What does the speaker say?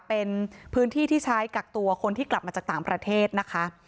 เป็นพื้นที่ที่ใช้กักตัวคนที่กลับมาจากต่างประเทศนะคะ